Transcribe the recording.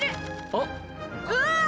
あっ！